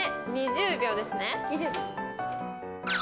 ２０秒ですね。